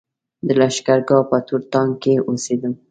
د لښکرګاه په تور ټانګ کې اوسېدم.